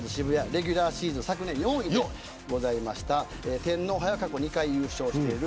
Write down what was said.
レギュラーシーズン、昨年４位天皇杯は過去に２回優勝している。